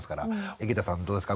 井桁さんどうですか？